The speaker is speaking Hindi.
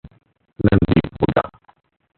रणदीप हुडा